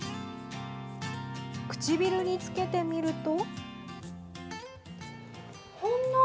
唇につけてみると。